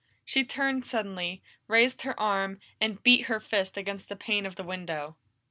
She turned suddenly, raised her arm, and beat her fist against the pane of the window.